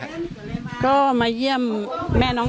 การแก้เคล็ดบางอย่างแค่นั้นเอง